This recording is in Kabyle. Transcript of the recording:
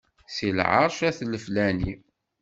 Seg lɛerc at leflani.